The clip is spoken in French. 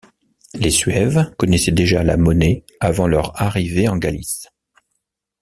Les Suèves connaissaient déjà la monnaie avant leur arrivée en Galice.